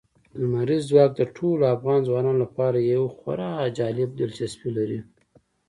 لمریز ځواک د ټولو افغان ځوانانو لپاره یوه خورا جالب دلچسپي لري.